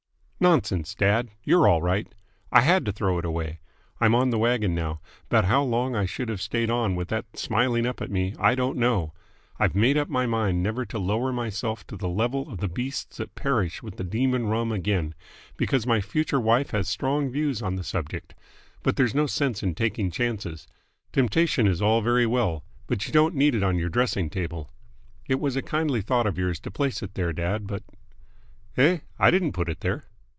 "Nonsense, dad! You're all right! I had to throw it away. I'm on the wagon now, but how long I should have stayed on with that smiling up at me I don't know. I've made up my mind never to lower myself to the level of the beasts that perish with the demon Rum again, because my future wife has strong views on the subject: but there's no sense in taking chances. Temptation is all very well, but you don't need it on your dressing table. It was a kindly thought of yours to place it there, dad, but " "Eh? I didn't put it there."